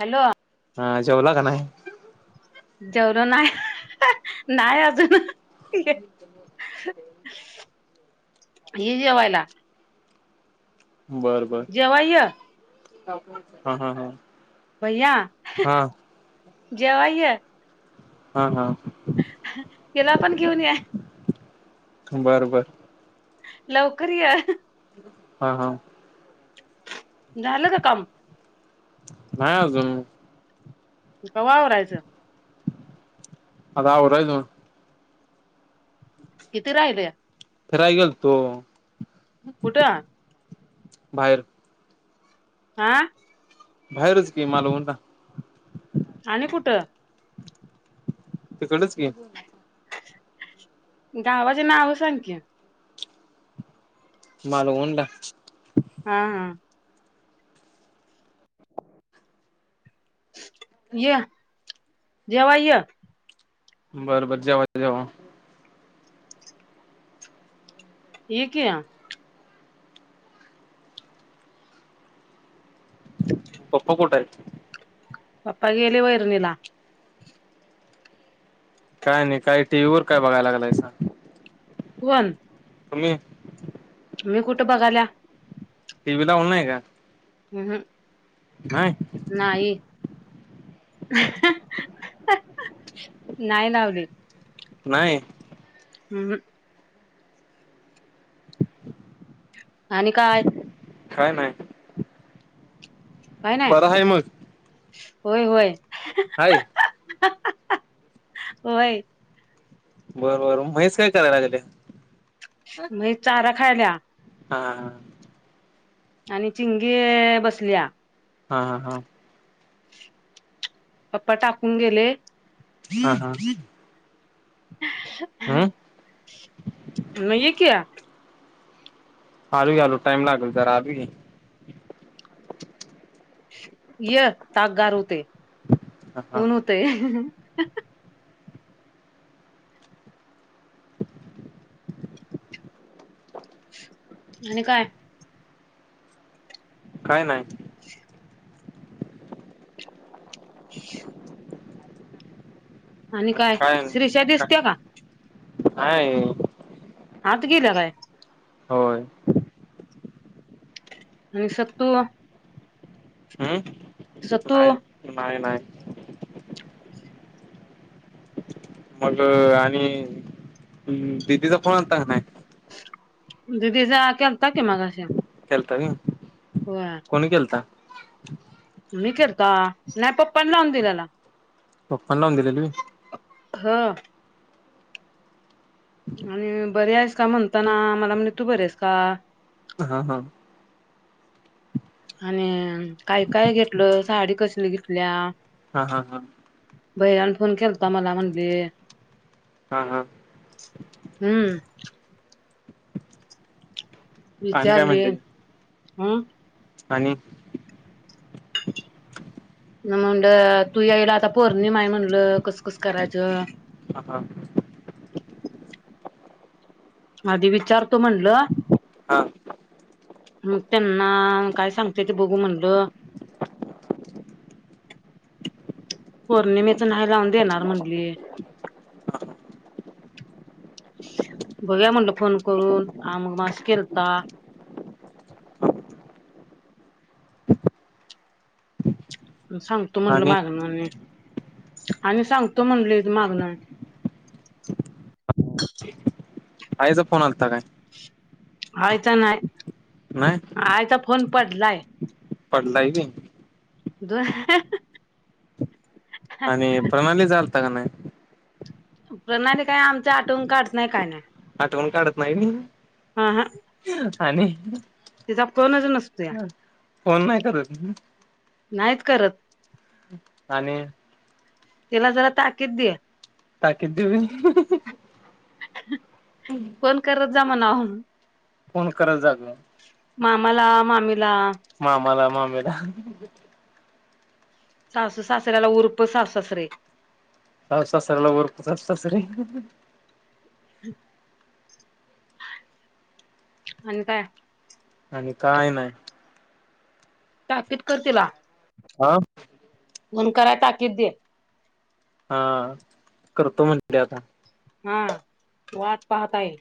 Hello हा जेवला का नाही? जेवलो नाही, नाही अजून मी एक ये जेवायला. बर, बर, जेवा य हा हा हा- भैया हा जेवायला ये. हा, हा, तिला पण घेऊन ये. बर बर. लवकर य. होय हो. झालं का काम? नाही अजून. कवा आवरायचं. आता आवरायचं. ह [inaudible] किती राहिले? फिरायला गेलतो. कुठं? बाहेर. आ बाहेरच की मालवणला. आणि कुठं? तिकडेच की. गावाचे नाव सांग की, मालवणला. हा, हा, य जेवायला य. बर बर जेवायचे, जेवा. येकी. पप्पा कुठे आहे? पप्पा गेले वैरणी ला. काय आणि काय टीव्ही वर काय बघायला लागलायसा. कोण. तुम्ही. मे कुठं बघायला. टीव्ही लावला नाही का? ह हं नाही? नाही, नाही लावली. नाही? हम्. आणि काय? काय नाय बर हाय मग व्हय व्हय हाय व्हय बर बर म्हैस काय करायला लागल्या? म्हैस चारा खायल्या हा हा आणि चिंगी बसल्या हा हा हा पप्पा टाकून गेले हम् ह ह ह म ये की आलू की आलू टाइम लागेल जरा आलू की य ताक गार हुतंय हा हा ऊन हुतंय आणि काय काय न्हाय [inaudible] आणि काय श्रीषा दिसत्या का? नाही आत गिल्या काय? होय आणि सत्तू हम् सत्तू नाही नाही नाही मग आणि दिदीचा फोन अल्ता काय नाही? दीदी चा केलता की मगाशी केलता होय होय कोणी केलता? मी केलता नाही पप्पानी लावून दिलेला पपांनी लावून दिलेले होय हा आणि बरी आहेस का म्हणताना मला म्हणले तू बरी आहेस का? हा हा आणि काय काय घेतलं साडी कसली घेतल्या? हा हा हा भैया न फोन केलता मला म्हणली हा हा हम्म आणि काय विचारली म्हणते हम् आणि मी म्हणलं तू यायला आता पोर्णिमा हाय म्हणलं कस कस करायचं? हा हा आधी विचारतो म्हणलं हा मग त्यांना काय सांगते ते बघू म्हणलं पौर्णिमेच नाही लावून देणार म्हनली बघूया म्हंटलं फोन करून आ मग मस् केलता सांगतो म्हटल आणि मागण आणि आणि सांगतो म्हणले मागणं आई चा फोन आलता काय? आई चा नाही नाही आयचा फोन पडलाय पडलाय व्हय? द [unintelligible] आणि प्रणाली चालता का नाही प्रणाली काय आमच्या आठवून काढत नाही काय नाही आटवण काढत नाही म हा हा आणि तिचा फोनच नसतोया ह फोन नाही करत नाहीत करत आणि तिला जरा ताकीद द त क देऊ [unintelligible] फोन करत जा म्हणाह कोण करत जाग मामाला मामीला [unintelligible] मामाला मामेला सासू सासऱ्याला उरप सासू सासरे [unintelligible] स सरला उर सरी आणि काय आणि काय नाही ताकीद करतीलला हा फन कराय ताकीद दे [unintelligible] हा करतो म्हणे आता हा वाट पाहता ये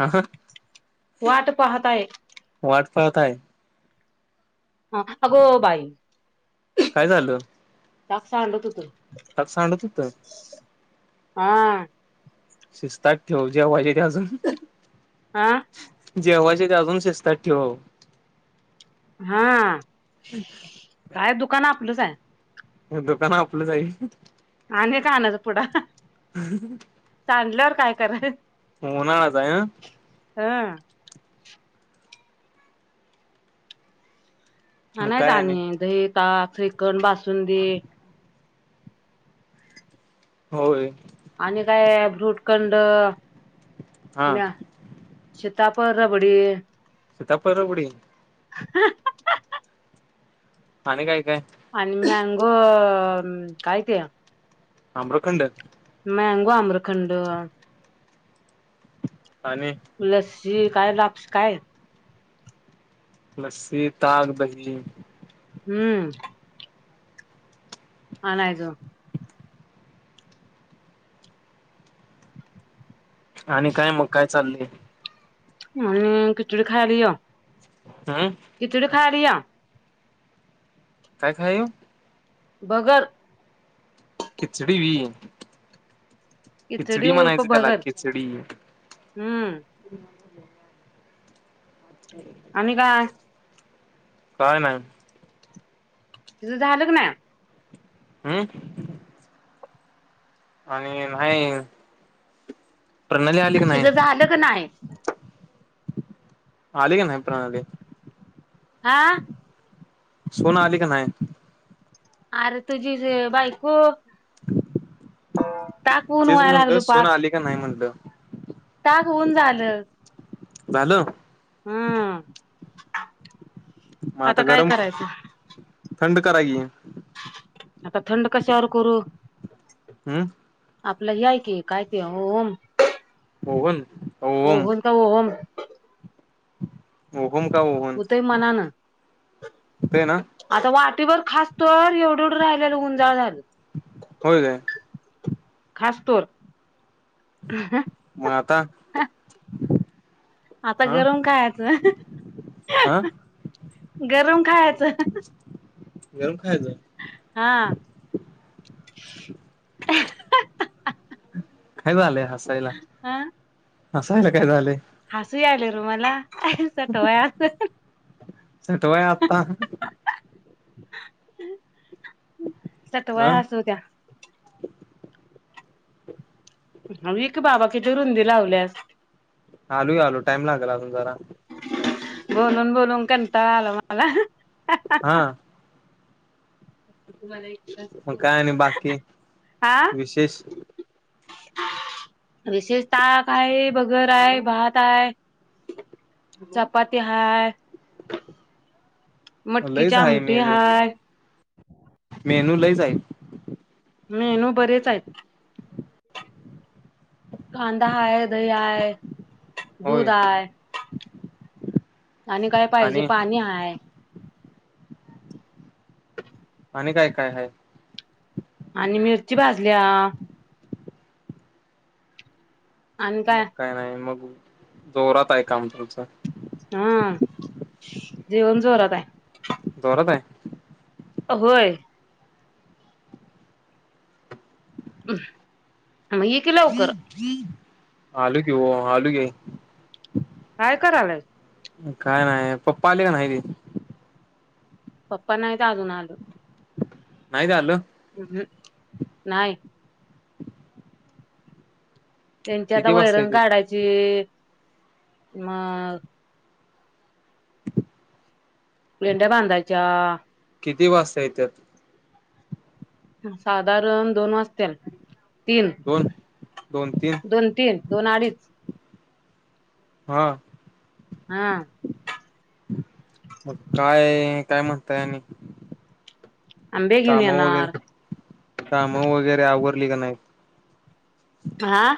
ह आहे वाटफळताय हा अगो बाई काय झालं दाग सांडवतो तू त सांडत हा शिस्तात ठेव जेव पाहिजे ते अजून आा [unintelligible] जेवा्हायचे ते अजून शेजतात ठेवाव हा अच्छा काय दुकान आपलंच आहे दुकान आपलं जाईल आणि कानत पुढं ह सांल्यावर काय कराय [unintelligible] होनलाता आहे हा हा मग काय आणि नाहीच दही ताक श्रीकण बासून दे होय आणि काय भूटखंड हा म सीताप र बडी तपरपडी [unintelligible] हा [unintelligible] आणि काय काय आन मँगो न काय त्या अम्रखंड [unintelligible] मँंगो आम्रखंड आणि लसी काय लापस काय [unintelligible] लस्सी, ताग, दही. हम्म. आणायज. आणि काय मग, काय चाललंय? अं खिचडी खायल य. अं. खिचडी खायला या. काय खाय येऊ? भगर. खिचडी हुई. खिचडी उर्फ म्हणायच. त्याला भगर खिचडी. हम्म. [unintelligible] आणि काय? काय नाही. तिझ झालं का ना. अं. आणि नाही. प्रणाली आली की तीज नाही झालं का नाही? आली का नाही प्रणाली? आं. सोना आली का नाही? अरे तुझी ज बायको. टाकवून तेच व्हायला म्हटलं लागल सून पाक. आली का नाही म्हणलं. ताक होऊन झालं. झालं. हम्म. म आता काय गरम, करायचं थंड करा की. आता थंड कशावर करू? अं. आपलं ही, हाय की. काय ती ओहम. ओहन. ओव्हम. ओहम. ओहम का ओह होतय, मनानं. ते ना आता वाटीबर खासतोर. एवढेढ राहिलेलं, उंजाळ झालं. होय काय? खासतोर. [inaudible] म आता? आता हा गरम खायाचं. हा [inaudible] गरम खायाचं. गरम खायाचं. हा. काय, झालय हसायला? ह हसायला काय झालंय? हसू यायलय र मला. सटवाय [inaudible] सटवाय, आता? सटवाय ह हसवत्या. ह व एक की बाबा, किती रुंदी लावल्यास. आलू -. टाइम लागेल अजून जरा. बोलून - बोलून कंटाळा आला मला. हा तुम्हाला एक ग्लास काय आणि बाकी विशेष. विशेष ता काय भगर हाय भात हाय. चपाती हाय, मटकीचे लईच आहे आमटी मेनू हाय. मेनू लईच हाय. मेनू बरेच आहेत. कांदा हाय, दही हाय, दूध होय हाय. आणि काय पाहिजे आणि पाणी हाय. आणि काय काय हाय. आणि मिरची भाजल्या. मग काय नाही मग जोरात हाय, काम तुमच. हा. जेवण जोरात हाय. दोरत हाय. अ होय. म ये की लवकर. आलू कि हो, आलू की. काय करालाय. काय नाही. पप्पा आले का नाही ते. पप्पा नाहीत अजून आल. नाहीत आल. अहम्म नाय. त्यांची आता किती वाजता वैरंग येते काढायची. मग पेंड्या बांधयच्या. किती वाजता येत्यात. साधारण दोन वाजतील. तीन, दोन दोन तीन दोन तीन. दोन अडीच. ह. हा. मग काय, काय म्हणताय आणि. आंबे घेऊन काम वगैरे. येणार कामं वगैरे आवरली का नाही. आ.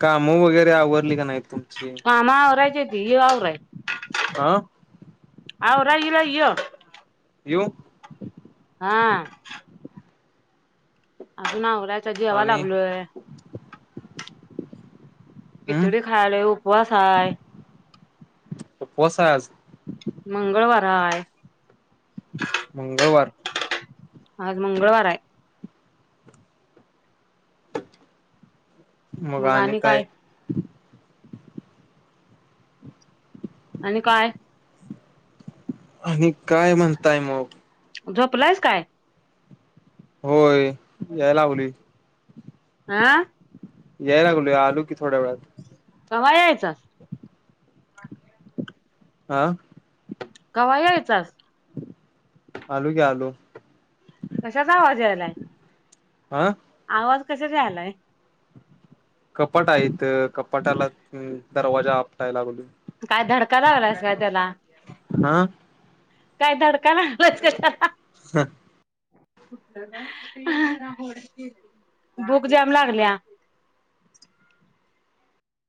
काम वगैरे आवरली का नाही. तुम कामा आवरायचीत तुय आराय. हा आवरायला य. येऊ. हा. अजून आवराच. जेवा आणि लागलोय. हम् खिचडी खायलो. उपवास हाय. उपवास आहे आज. मंगळवार हाय. मंगळवार. आज मंगळवारे. मग आणि काय? आणि काय? आणि काय म्हणताय मग? झोपलायस काय? होय याय लावली. आ. याय लागलूय. आलू की थोड्या वेळात. कव्हा यायचा. आ. कव्हा यायचास. आलू क्या आलू. कशाचा आवाज यायलाय. आं आवाज कसा रालाय. कपाट आहेत कपाटाला दरवाजा आपटाय लागल. काय धडका लावलास काय त्याला. हा काय धडका नाहीलाच त्याला. भूक जॅम लागल्या.